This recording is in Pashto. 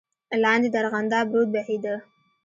لاندې د ارغنداب رود بهېده.